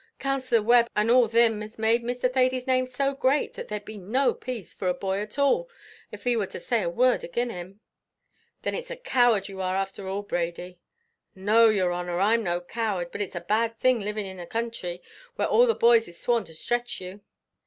Counsellor Webb and all thim has made Mr. Thady's name so great, that there'd be no pace for a boy at all av he war to say a word agin him." "Then it's a coward you are afther all, Brady?" "No, yer honour, I'm no coward; but it's a bad thing living in a counthry, where all the boys is sworn to stretch you."